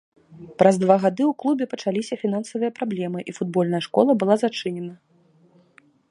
Праз два гады ў клубе пачаліся фінансавыя праблемы і футбольная школа была зачынена.